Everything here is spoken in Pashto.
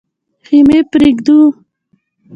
خېمې پرېږدو.